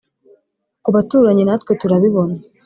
ku baturanyi, natwe turabibona